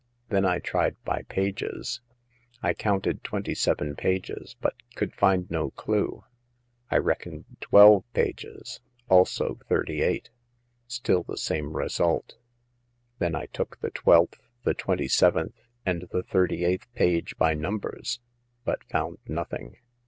Then I tried by pages. I counted twenty seven pages, but could find no clue ; I reckoned twelve pages ; also thirty eight ; still the same result. Then I took the twelfth, the twenty seventh, and the thirty eighth page by numbers, but found nothing.